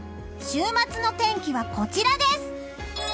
週末の天気はこちらです。